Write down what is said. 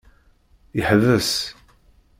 Yeḥbes.